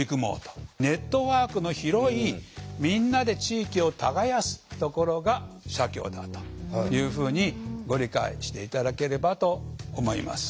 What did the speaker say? ネットワークの広いみんなで地域を耕すところが社協だというふうにご理解して頂ければと思います。